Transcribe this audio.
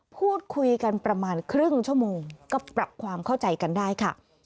พูดคุยกันประมาณครึ่งชั่วโมงก็ปรับความเข้าใจกันได้ค่ะ